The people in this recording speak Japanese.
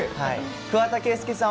桑田佳祐さん